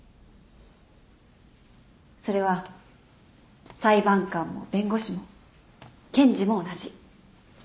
それは裁判官も弁護士も検事も同じ。